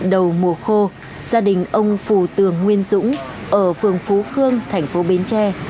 đầu mùa khô gia đình ông phù tường nguyên dũng ở phường phú cương thành phố bến tre